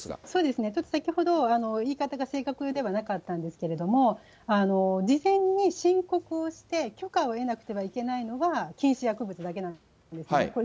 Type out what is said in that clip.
そうですね、ちょっと先ほど、言い方が正確ではなかったんですけれども、事前に申告をして、許可を得なくてはいけないのは、禁止薬物だけなんですね。